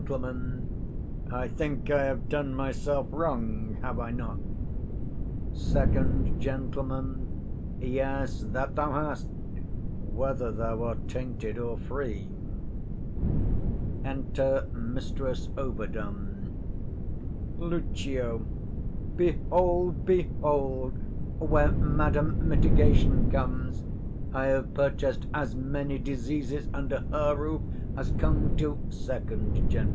_ I think I have done myself wrong, have I not? 40 Sec. Gent. Yes, that thou hast, whether thou art tainted or free. Lucio. Behold, behold, where Madam Mitigation comes! I have purchased as many diseases under her roof as come to 45 _Sec. Gent.